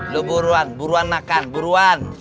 lu buruan buruan makan buruan